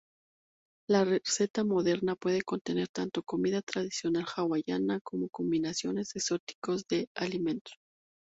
La receta moderna puede contener tanto comida tradicional hawaiana como combinaciones exóticas de alimentos.